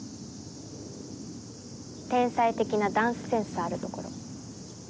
天才的なダンスセンスあるところ。